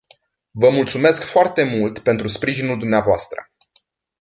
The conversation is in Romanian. Vă mulțumesc foarte mult pentru sprijinul dvs.